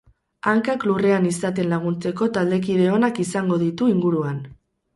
Hankak lurrean izaten laguntzeko taldekide onak izangto ditu inguruan.